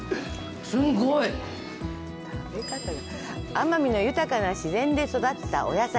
奄美の豊かな自然で育ったお野菜。